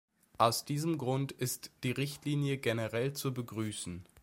Aus diesem Grund ist diese Richtlinie generell zu begrüßen.